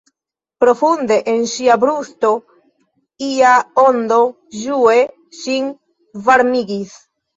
Profunde en ŝia brusto ia ondo ĝue ŝin varmigis.